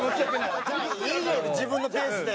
いいじゃない自分のペースで。